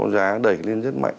giá đẩy lên rất mạnh